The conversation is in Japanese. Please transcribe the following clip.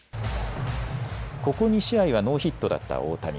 ここ２試合はノーヒットだった大谷。